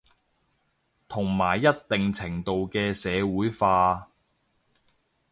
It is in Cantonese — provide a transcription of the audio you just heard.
同埋一定程度嘅社會化